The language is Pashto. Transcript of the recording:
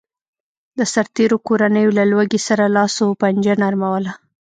د سرتېرو کورنیو له لوږې سره لاس و پنجه نرموله